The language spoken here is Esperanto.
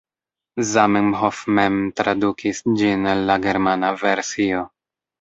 Zamenhof mem tradukis ĝin el la germana versio.